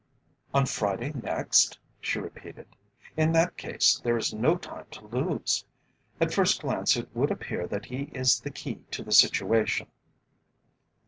"On Friday next?" she repeated. "In that case there is no time to lose. At first glance it would appear that he is the key to the situation."